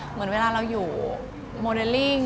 เหมือนเวลาเราอยู่โมเดลลิ่ง